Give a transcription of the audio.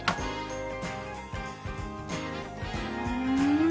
うん。